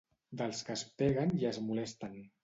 Dels que es peguen i es molesten.